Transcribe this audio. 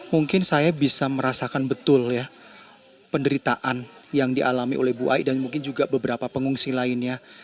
mungkin saya bisa merasakan betul ya penderitaan yang dialami oleh bu ai dan mungkin juga beberapa pengungsi lainnya